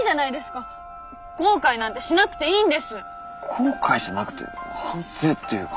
後悔じゃなくて反省っていうか。